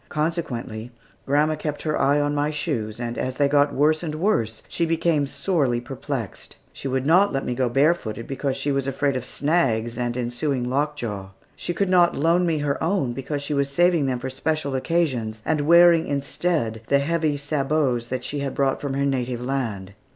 Consequently, grandma kept her eye on my shoes, and as they got worse and worse, she became sorely perplexed. She would not let me go barefooted, because she was afraid of "snags" and ensuing lockjaw; she could not loan me her own, because she was saving them for special occasions, and wearing instead the heavy sabots she had brought from her native land.